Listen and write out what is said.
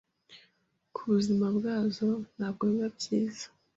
ku buzima bwazo ntabwo biba byiza